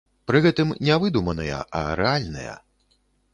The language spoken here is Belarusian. Пры гэтым, не выдуманыя, а рэальныя.